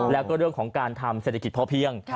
แล้วก็เรื่องของการทำเศรษฐกิจพอเพียง